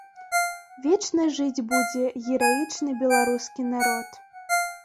Вечна жыць будзе гераічны беларускі народ.